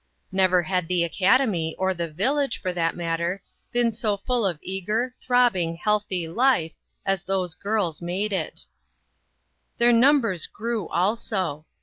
Never had the Academy, or the village, for that matter, been so full of eager, throbbing, healthy life, as those girls made it. Their numbers grew, also.